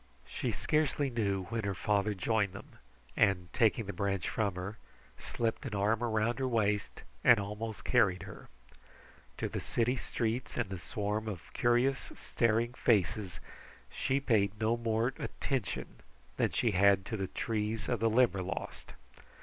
She scarcely knew when her father joined them, and taking the branch from her, slipped an arm around her waist and almost carried her. To the city streets and the swarm of curious, staring faces she paid no more attention than she had to the trees of the Limberlost.